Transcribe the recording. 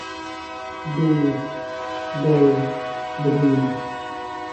ดู เดย์ ดรีม